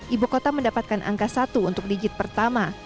ibu kota mendapatkan angka satu untuk digit pertama